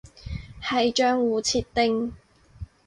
係賬戶設定